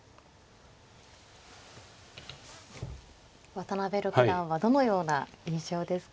渡辺六段はどのような印象ですか。